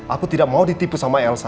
aku tidak mau ditipu sama elsa